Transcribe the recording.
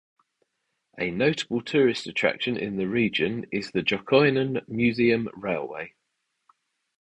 A notable tourist attraction in the region is the Jokioinen Museum Railway.